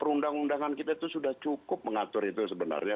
perundang undangan kita itu sudah cukup mengatur itu sebenarnya